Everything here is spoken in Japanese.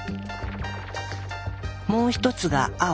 もう一つが青。